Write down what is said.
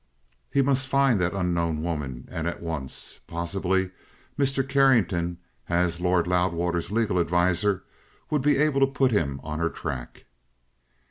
He must find that unknown woman, and at once. Possibly Mr. Carrington, as Lord Loudwater's legal adviser, would be able to put him on her track.